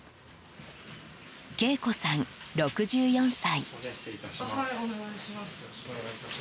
恵子さん、６４歳。